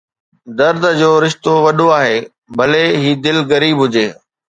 درد جو رشتو وڏو آهي، ڀلي هي دل غريب هجي